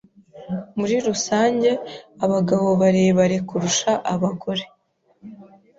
Muri rusange, abagabo barebare kurusha abagore.